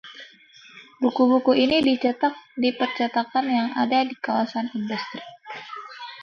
buku-buku ini dicetak di percetakan yang ada di kawasan industri